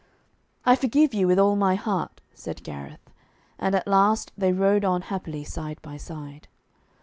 'I forgive you with all my heart,' said Gareth, and at last they rode on happily side by side.